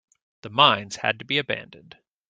The mines had to be abandoned.